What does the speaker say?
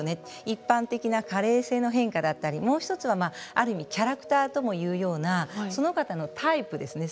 一般的な加齢性の変化だったりもう１つは、ある意味キャラクターとも言うようなその方のタイプですね。